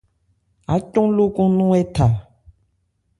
Ácɔn lókɔn nɔ̂n ɛ tha.